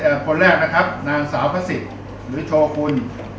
เอ่อคนแรกนะครับนางสาวพพศิษย์หรือโชคุณ